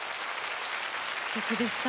すてきでした。